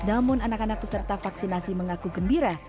namun anak anak peserta vaksinasi mengaku gembira